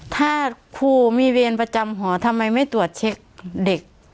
ถ้าครูมีเวรประจำหอทำไมไม่ตรวจเช็คเด็ก